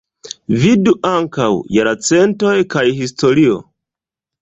Vidu ankaŭ: Jarcentoj kaj Historio.